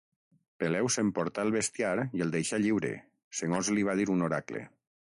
Peleu s'emportà el bestiar i el deixà lliure, segons li va dir un oracle.